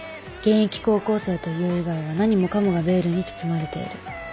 現役高校生という以外は何もかもがベールに包まれている。